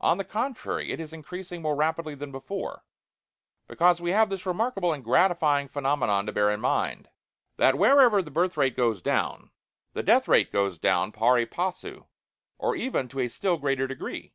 On the contrary, it is increasing more rapidly than before, because we have this remarkable and gratifying phenomenon to bear in mind, that WHEREVER THE BIRTH RATE GOES DOWN, THE DEATH RATE GOES DOWN PARI PASSU, OR EVEN TO A STILL GREATER DEGREE.